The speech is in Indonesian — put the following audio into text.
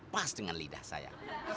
pas dengan lidah saya